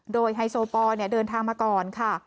โดยไฮโซปอลเดินทางมาก่อนค่ะ